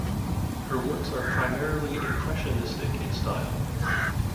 Her works are primarily Impressionistic in style.